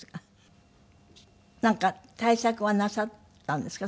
なんか対策はなさったんですか？